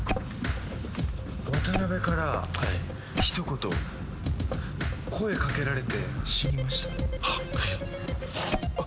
渡辺から一言はい声かけられて死にましたえっ！